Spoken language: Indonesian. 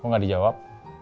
kok gak dijawab